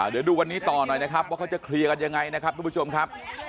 เดี๋ยวดูวันนี้ต่อหน่อยนะครับว่าเขาจะเคลียร์กันยังไงนะครับทุกผู้ชมครับ